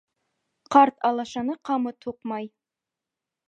Карт алашаны ҡамыт һуҡмай.